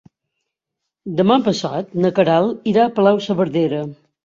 Demà passat na Queralt irà a Palau-saverdera.